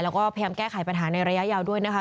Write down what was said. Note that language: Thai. แล้วก็พยายามแก้ไขปัญหาในระยะยาวด้วยนะคะ